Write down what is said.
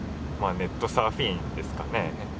ネットサーフィンですかね。